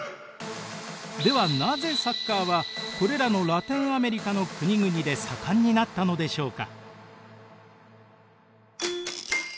ではなぜサッカーはこれらのラテンアメリカの国々で盛んになったのでしょうか。